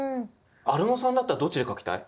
アルノさんだったらどっちで書きたい？